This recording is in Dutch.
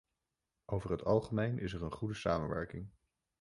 Over het algemeen is er een goede samenwerking.